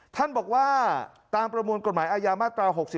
ท่านบอกว่าตามประมวลกฎหมายอาญามาตรา๖๔